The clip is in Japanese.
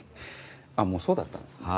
もうそうだったんですね。